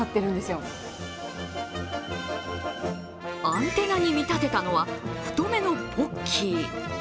アンテナに見立てたのは太めのポッキー。